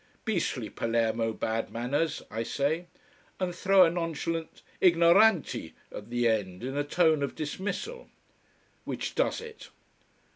"Beastly Palermo bad manners," I say, and throw a nonchalant "Ignoranti" at the end, in a tone of dismissal. Which does it.